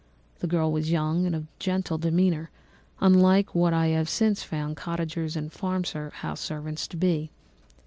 The girl was young and of gentle demeanour, unlike what I have since found cottagers and farmhouse servants to be.